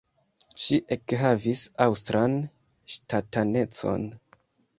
Li ekhavis aŭstran ŝtatanecon.